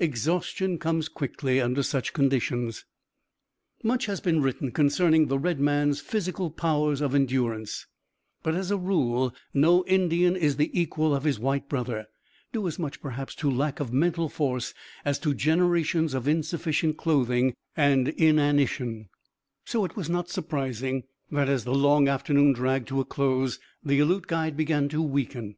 Exhaustion comes quickly under such conditions. Much has been written concerning the red man's physical powers of endurance, but as a rule no Indian is the equal of his white brother, due as much perhaps to lack of mental force as to generations of insufficient clothing and inanition, so it was not surprising that as the long afternoon dragged to a close the Aleut guide began to weaken.